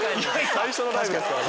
最初のライブですから。